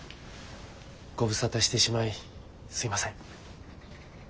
ご無沙汰してしまいすいません。